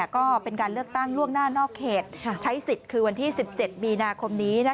ก็เป็นการเลือกตั้งล่วงหน้านอกเขตใช้สิทธิ์คือวันที่๑๗มีนาคมนี้